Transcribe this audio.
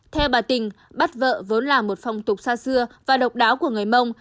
theo bà tình bắt vợ vốn là một phong tục xa xưa và độc đáo của người mông